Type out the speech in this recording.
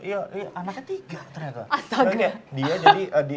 iya anaknya tiga ternyata